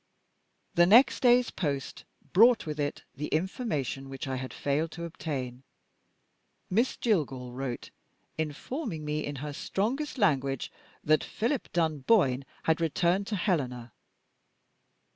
The next day's post brought with it the information which I had failed to obtain. Miss Jillgall wrote, informing me in her strongest language that Philip Dunboyne had returned to Helena.